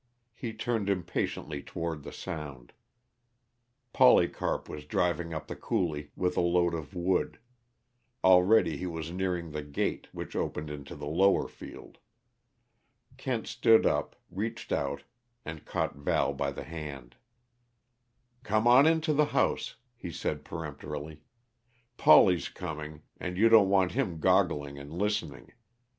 He turned impatiently toward the sound. Polycarp was driving up the coulee with a load of wood; already he was nearing the gate which opened into the lower field. Kent stood up, reached out, and caught Val by the hand. "Come on into the house," he said peremptorily. "Polly's coming, and you don't want him goggling and listening.